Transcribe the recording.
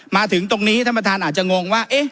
มาถึงตรงนี้ท่านประธานอาจจะงงว่า